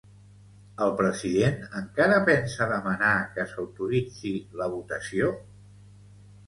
El president encara pensa demanar que s'autoritzi la votació?